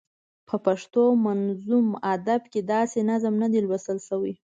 په پښتو منظوم ادب کې داسې نظم نه دی لوستل شوی.